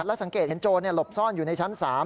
แล้วสังเกตเห็นโจรหลบซ่อนอยู่ในชั้น๓